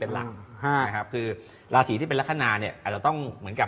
เป็นหลักใช่ครับคือราศีที่เป็นลักษณะเนี่ยอาจจะต้องเหมือนกับ